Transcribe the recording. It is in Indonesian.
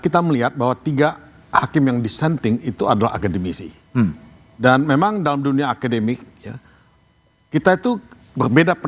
tiga akim yang disenting itu adalah akademisi dan memang dalam dunia akademik kita itu berbeda